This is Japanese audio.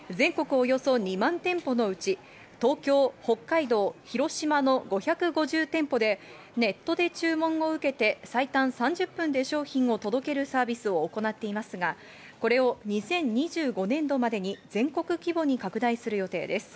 およそ２万店舗のうち、東京、北海道、広島の５５０店舗でネットで注文を受けて最短３０分で商品を届けるサービスを行っていますが、これを２０２５年度までに全国規模に拡大する予定です。